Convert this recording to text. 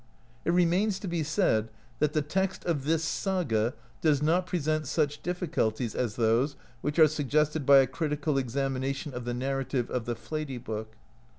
It remains to be said, that the text of this saga does not present such difficulties as those which are sug gested by a critical examination of the narrative of the Flatey Book.